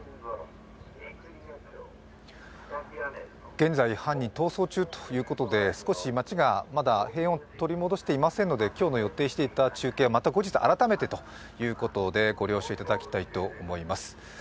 現在、犯人逃走中ということで少し町がまだ平穏を取り戻してませんので今日の予定していた中継は、また後日改めてということでご了承いただきたいと思います。